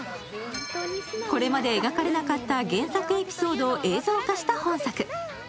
これまで描かれなかった原作エピソードを映像化した本作。